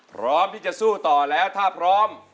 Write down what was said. พร้อมที่จะสู้ต่อแล้วถ้าพร้อม